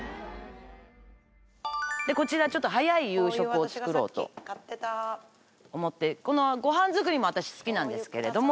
こちらちょっと早い夕食を作ろうと思ってごはん作りも私好きなんですけれども。